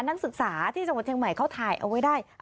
นักศึกษาที่จังหวัดเชียงใหม่เขาถ่ายเอาไว้ได้